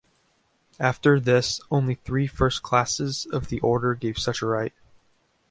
After this only three first classes of the Order gave such a right.